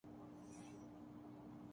بڑا نام حضرت خالد بن ولید